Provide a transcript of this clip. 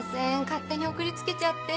勝手に送りつけちゃって。